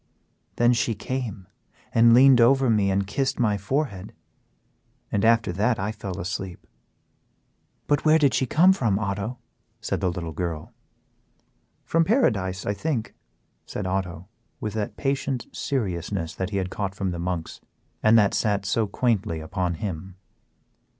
Then she came and leaned over me and kissed my forehead, and after that I fell asleep." "But where did she come from, Otto?" said the little girl. "From paradise, I think," said Otto, with that patient seriousness that he had caught from the monks, and that sat so quaintly upon him.